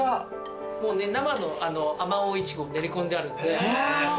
生のあまおうイチゴを練り込んであるんで。